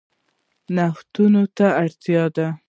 نفتو ته اړتیا ده.